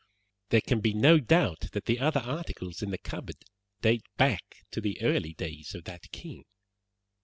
There can be no doubt that the other articles in the cupboard date back to the early days of that king.